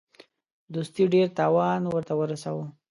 دوستي ډېر تاوان ورته ورساوه.